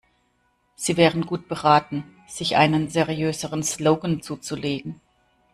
Sie wären gut beraten, sich einen seriöseren Slogan zuzulegen.